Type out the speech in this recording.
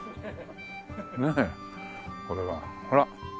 ねえこれは。ほら。